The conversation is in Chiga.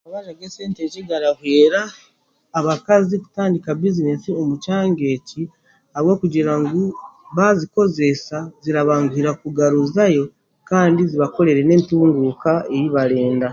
Amabanja g'esente ekigarahwera abakazi kutandika bizineesi omu kyanga eki ahabwokugira ngu baazikoresa kirabanguhira kuzigaruzayo kandizibakorere n'entunguuka ei barenda